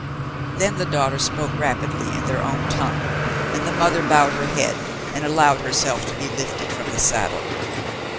Then the daughter spoke rapidly in their own tongue, and the mother bowed her head and allowed herself to be lifted from the saddle.